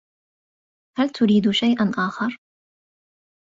هل تريد شيئا آخر ؟